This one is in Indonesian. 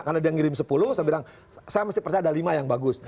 karena dia ngirim sepuluh saya bilang saya mesti percaya ada lima yang bagus